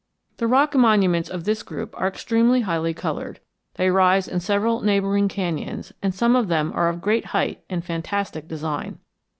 The rock monuments of this group are extremely highly colored. They rise in several neighboring canyons and some of them are of great height and fantastic design.